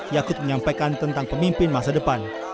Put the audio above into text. yakut menyampaikan tentang pemimpin masa depan